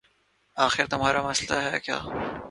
آخر تمہارا مسئلہ ہے کیا